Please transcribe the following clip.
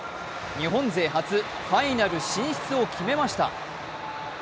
日本勢初ファイナル進出を決めました。